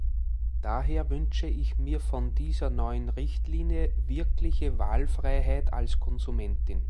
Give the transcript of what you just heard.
Daher wünsche ich mir von dieser neuen Richtlinie wirkliche Wahlfreiheit als Konsumentin.